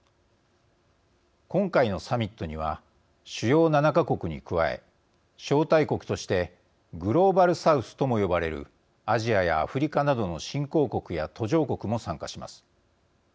今回のサミットには主要７か国に加え、招待国としてグローバル・サウスとも呼ばれるアジアやアフリカなどの新興国や途上国も参加します。